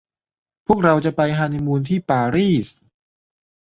พวกเราจะไปฮันนีมูนที่ปารีส